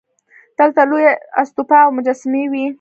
دلته لویه استوپا او مجسمې وې